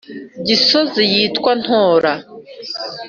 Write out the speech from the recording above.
gisozi yitwantora